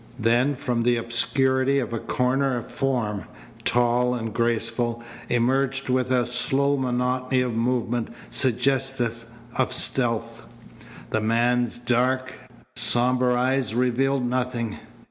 Then from the obscurity of a corner a form, tall and graceful, emerged with a slow monotony of movement suggestive of stealth. The man's dark, sombre eyes revealed nothing.